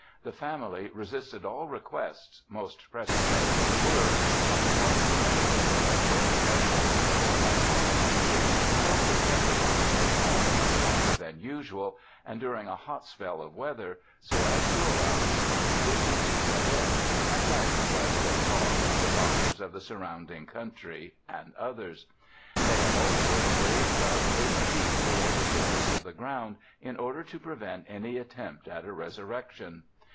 The family resisted all requests — most pressing as they were — on the part of the members of the medical profession for an autopsy, and also kept the body at home much longer than usual and during a hot spell of weather, so as to allow decomposition to set in and baffle, as they thought, the doctors of the surrounding country and others. They had also the grave dug eight feet below the surface of the ground in order to prevent any attempt at a resurrection.